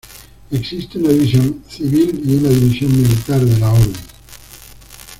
Existe una División Civil y una División Militar de la Orden.